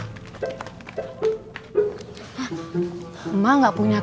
mak emang ke rumah